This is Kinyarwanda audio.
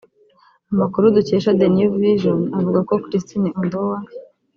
Amakuru dukesha the New vision avuga ko Christine Ondoa